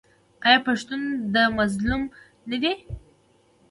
آیا پښتون د مظلوم ملګری نه دی؟